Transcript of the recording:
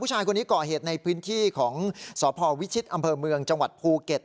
ชายคนนี้ก่อเหตุในพื้นที่ของสพวิชิตอำเภอเมืองจังหวัดภูเก็ต